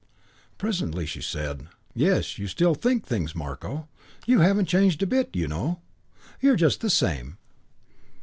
Presently she said, "Yes, you do still think things, Marko. You haven't changed a bit, you know. You're just the same."